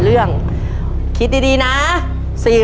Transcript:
ตัวเลือกที่สี่ชัชวอนโมกศรีครับ